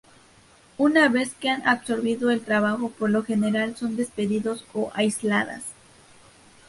Una vez que han absorbido el trabajo, por lo general son despedidos o aisladas.